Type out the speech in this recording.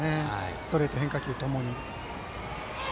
ストレート、変化球ともに。